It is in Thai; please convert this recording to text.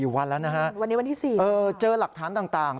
๔วันแล้วนะครับเออเจอหลักฐานต่างวันนี้วันที่๔